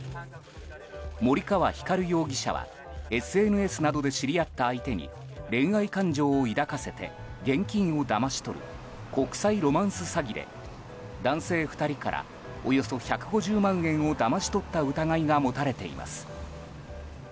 森川光容疑者はＳＮＳなどで知り合った相手に恋愛感情を抱かせて現金をだまし取る国際ロマンス詐欺で男性２人からおよそ１５０万円をだまし取った疑いが持たれています。